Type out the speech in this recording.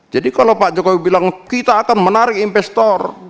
jadi kalau pak jokowi bilang kita akan menarik investor